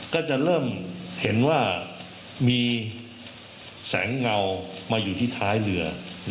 ก็จะเริ่มเห็นว่ามีแสงเงามาอยู่ที่ท้ายเรือ